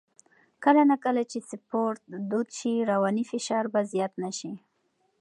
کله نا کله چې سپورت دود شي، رواني فشار به زیات نه شي.